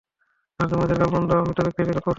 আর তোমাদের গালমন্দ মৃত ব্যক্তির নিকট পৌঁছে না।